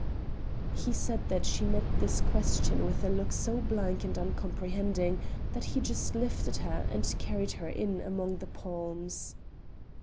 He said she met this question with a look so blank and uncomprehending that he just lifted her and carried her in among the palms.